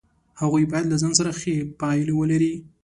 هغوی باید له ځان سره ښې پایلې ولري.